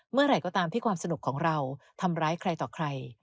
เมื่อไหร่ก็ตามที่ความสนุกของเราทำร้ายใครต่อใคร